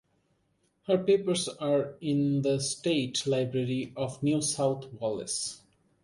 Her papers are in the State Library of New South Wales.